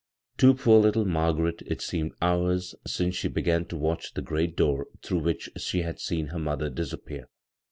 To poor little Margaret it seemed hours since she began to watch the great door through which she had seen her mother iMs appear.